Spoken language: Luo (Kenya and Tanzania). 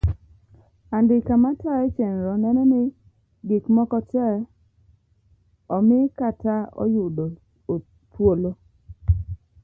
Andika matayo chenro neno ni gik moko tee omi kata oyudo thuolo.